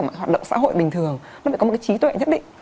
mọi hoạt động xã hội bình thường nó phải có một trí tuệ nhất định